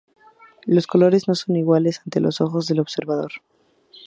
Los colores no son iguales ante los ojos del observador.